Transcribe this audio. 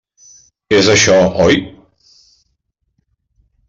És això, oi?